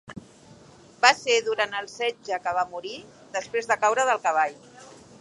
Va ser durant el setge que va morir, després de caure del cavall.